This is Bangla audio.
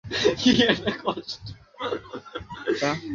তিনি এবং তাঁর বোন মেরি পড়াশোনা করেছিলেন।